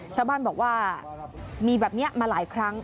ชาวบ้านบอกว่ามีแบบนี้มาหลายครั้ง